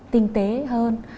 tinh tế hơn